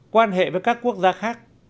quan hệ với các quốc gia khác